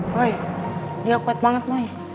woy dia kuat banget moni